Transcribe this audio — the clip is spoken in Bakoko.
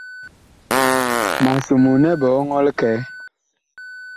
Mag somoo nɛ biɔŋɔɔ likɛɛ.